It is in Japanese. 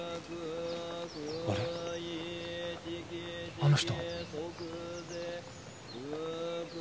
あの人。